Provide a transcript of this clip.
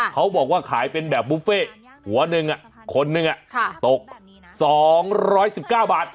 เขาบอกว่าขายเป็นแบบบุฟเฟ่หัวหนึ่งคนหนึ่งตก๒๑๙บาท